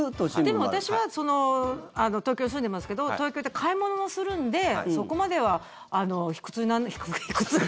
でも私は東京、住んでますけど東京で買い物もするんでそこまでは卑屈に。